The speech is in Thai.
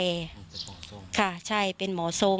เป็นหมอทรงค่ะใช่เป็นหมอทรง